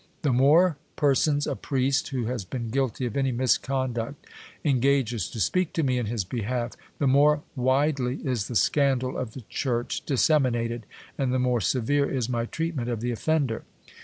The more persons a priest, who has been guilty of any misconduct, engages to speak to me in his behalf, the more widely is the scandal of the church disseminated, and the more severe is my treatment of the offender.